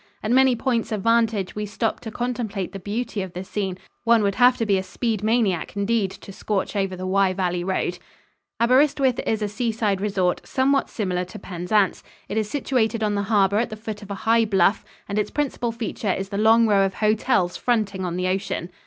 At many points of vantage we stopped to contemplate the beauty of the scene one would have to be a speed maniac indeed to "scorch" over the Wye Valley road. Aberyswith is a seaside resort, somewhat similar to Penzance. It is situated on the harbor at the foot of a high bluff, and its principal feature is the long row of hotels fronting on the ocean.